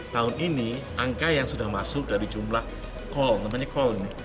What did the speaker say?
tahun ini angka yang sudah masuk dari jumlah call